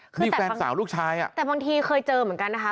คือแฟนสาวลูกชายอ่ะแต่บางทีเคยเจอเหมือนกันนะคะ